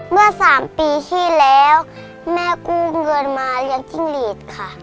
เมื่อ๓ปีที่แล้วแม่กู้เงินมาเลี้ยงจิ้งหลีดค่ะ